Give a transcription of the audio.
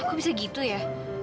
kok bisa gitu ya